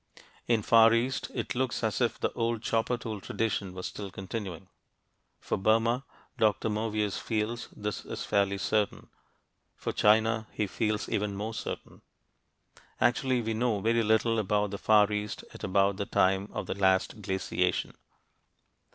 In the Far East it looks as if the old chopper tool tradition was still continuing. For Burma, Dr. Movius feels this is fairly certain; for China he feels even more certain. Actually, we know very little about the Far East at about the time of the last glaciation.